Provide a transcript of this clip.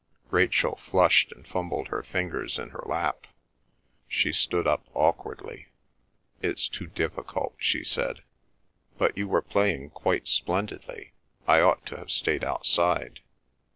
Rachel flushed and fumbled her fingers in her lap. She stood up awkwardly. "It's too difficult," she said. "But you were playing quite splendidly! I ought to have stayed outside."